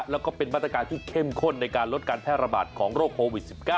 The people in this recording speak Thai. แล้วก็เป็นมาตรการที่เข้มข้นในการลดการแพร่ระบาดของโรคโควิด๑๙